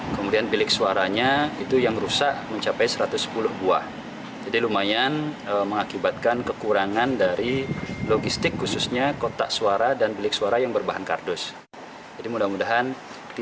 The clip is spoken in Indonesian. kpu badung telah melaporkan kondisi ini kepada kpu pusat